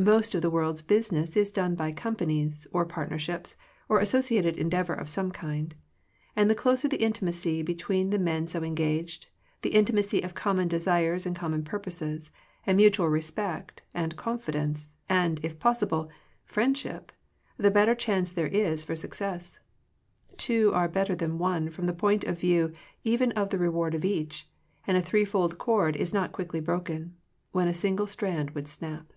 Most of the worid's business is done by companies, or partnerships, or associated endeavor of some kind. And the closer the intimacy between the men so engaged, the intimacy of common de sires and common purposes, and mutual respect and confidence, and, if possible, friendship, the better chance there is for success. Two are better than one from the point of view even of the reward of each, and a threefold cord is not quickly broken, when a single strand would snap.